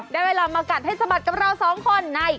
ได้เวลามากัดให้สมัครกับเรา๒คนใน